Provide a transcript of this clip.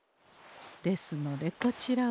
ですのでこちらを。